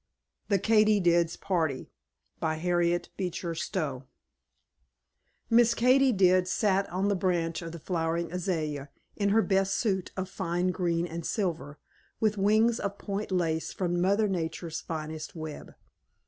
THE KATY DID'S PARTY By Harriet Beecher Stowe Miss Katy did sat on the branch of a flowering azalea, in her best suit of fine green and silver, with wings of point lace from Mother Nature's finest web.